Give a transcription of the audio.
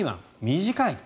短い。